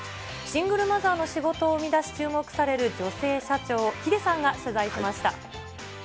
シングルマザーの仕事を生み出し、注目される女性社長を、ヒデさん